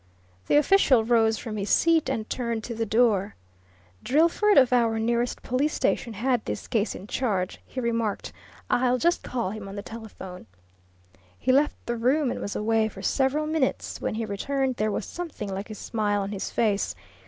The official rose from his seat and turned to the door. "Drillford, of your nearest police station, had this case in charge," he remarked. "I'll just call him on the telephone." He left the room and was away for several minutes; when he returned there was something like a smile on his face.